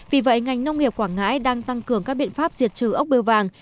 vì vậy ngành nông nghiệp quảng ngãi đang tăng cường các biện pháp diệt trừ ốc biêu vàng